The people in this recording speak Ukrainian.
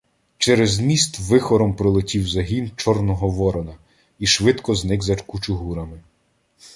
Через міст вихором пролетів загін Чорного Ворона і швидко зник за кучугурами.